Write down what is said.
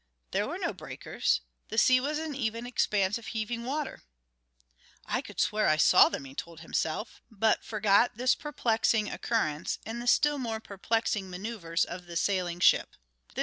There were no breakers the sea was an even expanse of heaving water. "I could swear I saw them!" he told himself, but forgot this perplexing occurrence in the still more perplexing maneuvers of the sailing ship.